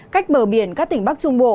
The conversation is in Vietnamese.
cách bờ biển các tỉnh bắc trung bộ